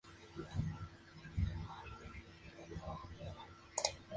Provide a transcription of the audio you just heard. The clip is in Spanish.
Fueron utilizados por el bando sublevado durante la Guerra Civil Española.